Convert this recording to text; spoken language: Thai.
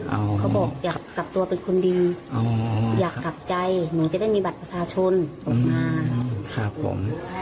เขาบอกอยากกลับตัวเป็นคนดีอ๋ออยากกลับใจหนูจะได้มีบัตรประชาชนออกมาครับผม